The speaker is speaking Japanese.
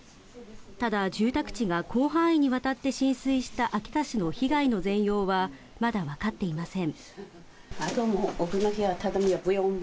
ただ、住宅地が広範囲にわたって浸水した秋田市の被害の全容はまだわかっていません。